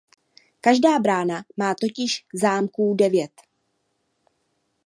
Každá brána má totiž zámků devět.